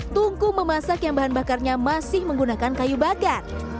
tungku memasak yang bahan bakarnya masih menggunakan kayu bakar